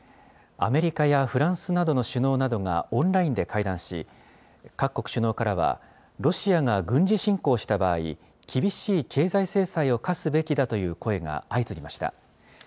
アメリカやフランスなどの首脳などがオンラインで会談し、各国首脳からは、ロシアが軍事侵攻した場合、厳しい経済制裁を科すべきだという声が相次ぎました。